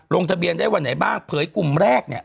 ลงทะเบียนได้วันไหนบ้างเผยกลุ่มแรกเนี่ย